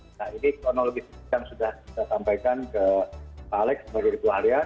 nah ini kronologi yang sudah kita sampaikan ke pak alex sebagai ketua harian